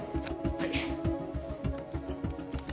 はい。